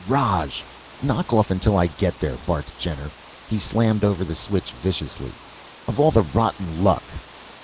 "Roj! Knock off until I get there," barked Jenner. He slammed over the switch, viciously. "Of all the rotten luck!"